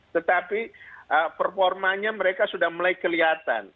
tetapi performanya mereka sudah mulai kelihatan